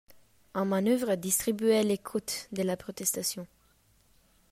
Un manœuvre distribuait les cotes de la protestation.